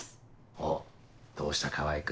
おっどうした川合君